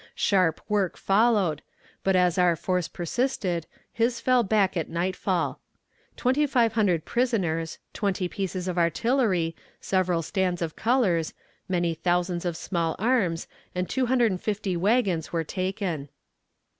Sharp work followed, but, as our force persisted, his fell back at nightfall. Twenty five hundred prisoners, twenty pieces of artillery, several stands of colors, many thousands of small arms, and two hundred and fifty wagons, were taken.